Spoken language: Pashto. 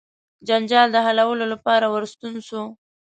جنجال د حلولو لپاره ورستون سو.